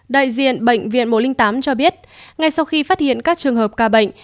đại diện bệnh viện một trăm linh tám cho biết ngay sau khi phát hiện các trường hợp ca bệnh